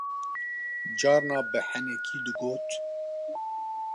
carna bi henekî digot